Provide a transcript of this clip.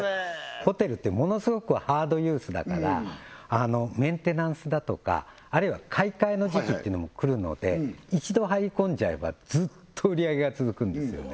ホテルってものすごくハードユースだからメンテナンスだとかあるいは買い替えの時期ってのもくるので一度入り込んじゃえばずっと売り上げが続くんですよね